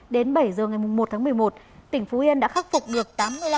đến bảy giờ ngày một tháng một mươi một tỉnh phú yên đã khắc phục được tám mươi năm